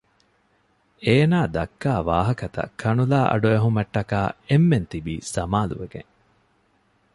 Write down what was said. އޭނާ ދައްކާ ވާހަކަތައް ކަނުލާ އަޑުއެހުމައްޓަކާ އެންމެން ތިބީ ސަމާލުވެގެން